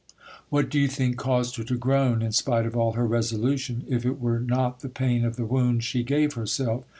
What do you think caused her to groan, in spite of all her resolution, if it were not the pain of the wound she gave herself?